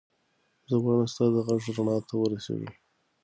زه غواړم ستا د غږ رڼا ته ورسېږم.